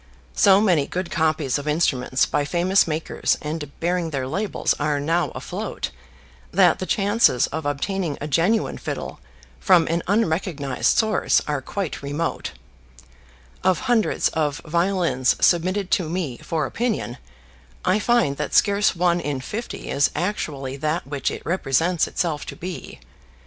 So many good copies of instruments by famous makers and bearing their labels are now afloat, that the chances of obtaining a genuine fiddle from an unrecognised source are quite remote; of hundreds of violins submitted to me for opinion, I find that scarce one in fifty is actually that which it represents itself to be.